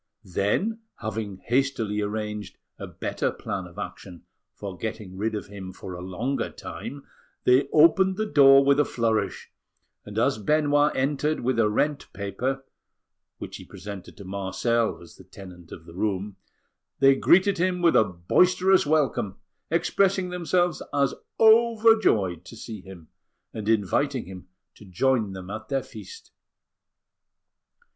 Then, having hastily arranged a better plan of action for getting rid of him for a longer time, they opened the door with a flourish, and as Benoit entered with a rent paper, which he presented to Marcel as the tenant of the room, they greeted him with a boisterous welcome, expressing themselves as overjoyed to see him, and inviting him to join them at their feast.